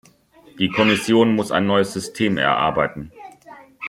Die Kommission muss ein neues System erarbeiten.